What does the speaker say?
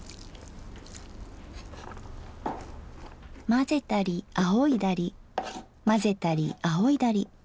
混ぜたりあおいだり混ぜたりあおいだり。